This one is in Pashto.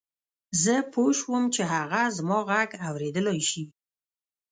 زه پوه شوم چې هغه زما غږ اورېدلای شي